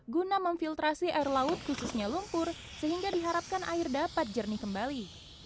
guna memfiltrasi air laut khususnya lumpur sehingga diharapkan air dapat jernih kembali